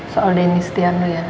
soal dennis tiano ya